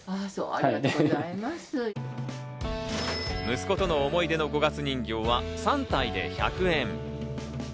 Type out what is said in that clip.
息子との思い出の五月人形は３体で１００円。